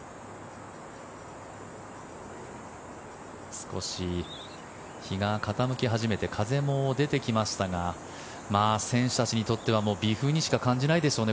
少し日が傾き始めて風も出てきましたが選手たちにとってはもう微風にしか感じないでしょうね